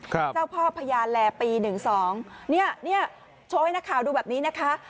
เจ้าพ่อพญาแลปีหนึ่งสองเนี้ยเนี้ยโชว์ให้นักข่าวดูแบบนี้นะคะ